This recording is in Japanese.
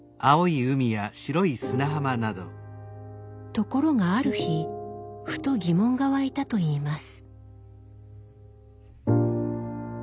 ところがある日ふと疑問が湧いたといいます。